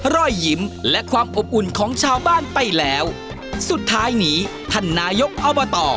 รอยยิ้มและความอบอุ่นของชาวบ้านไปแล้วสุดท้ายนี้ท่านนายกอบต